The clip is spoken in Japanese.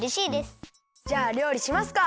じゃありょうりしますか！